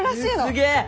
すげえ！